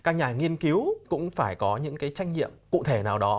các nhà nghiên cứu cũng phải có những cái trách nhiệm cụ thể nào đó